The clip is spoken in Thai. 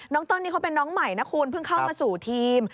เติ้ลนี่เขาเป็นน้องใหม่นะคุณเพิ่งเข้ามาสู่ทีม